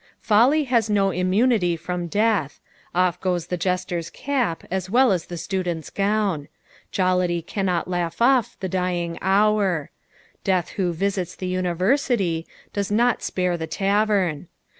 Folly has no immunity from death. Off goes the jester's cap, as well as the student's gown. Jollity cannot laugh off the dying hour; death who visits the univmity, does not spare the tavern.